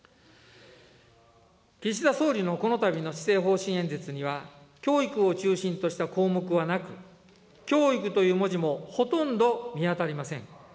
岸田総理のこのたびの施政方針演説には、教育を中心とした項目はなく、教育という文字もほとんど見当たりません。